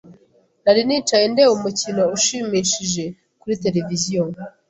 Nari nicaye ndeba umukino ushimishije kuri tereviziyo.